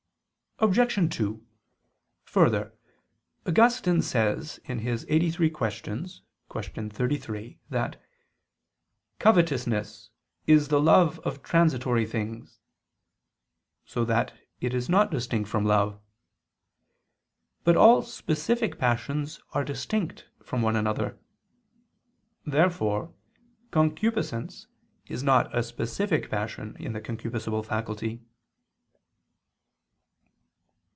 Obj. 2: Further, Augustine says (QQ. 83, qu. 33) that "covetousness is the love of transitory things": so that it is not distinct from love. But all specific passions are distinct from one another. Therefore concupiscence is not a specific passion in the concupiscible faculty.